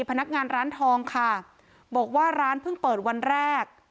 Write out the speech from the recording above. พนักงานร้านทองค่ะบอกว่าร้านเพิ่งเปิดวันแรก